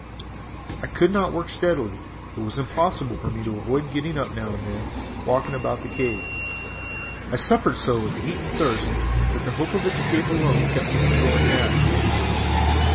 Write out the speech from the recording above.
"I could not work steadily, as it was impossible for me to avoid getting up and now and then walking about the cave. I suffered so with the heat and thirst, that the hope of escape alone kept me from going mad.